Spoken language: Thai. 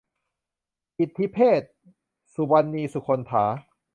อิตถีเพศ - สุวรรณี สุคนธา